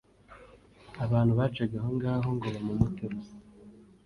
Abantu bacaga aho ngaho ngo bamumuteruze